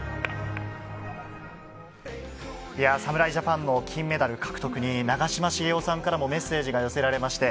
侍ジャパンの金メダル獲得に長嶋茂雄さんからもメッセージが寄せられました。